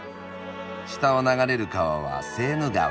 下を流れる川はセーヌ川。